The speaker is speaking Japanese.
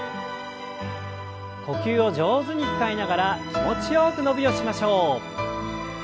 呼吸を上手に使いながら気持ちよく伸びをしましょう。